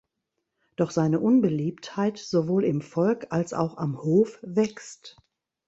Doch seine Unbeliebtheit sowohl im Volk als auch am Hof wächst.